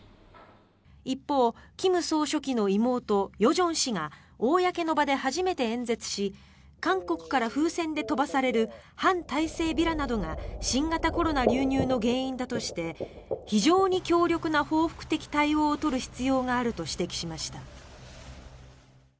一方、金総書記の妹・与正氏が公の場で初めて演説し韓国から風船で飛ばされる反体制ビラなどが新型コロナ流入の原因だとして非常に強力な報復的対応を取る必要があると指摘しました。